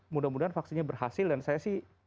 mudah mudahan vaksinnya berhasil dan saya sih